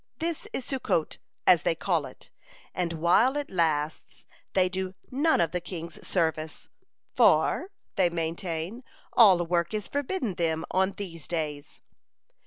This is Sukkot, as they call it, and while it lasts, they do none of the king's service, for, they maintain, all work is forbidden them on these days.